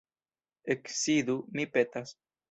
Eksidu, mi petas.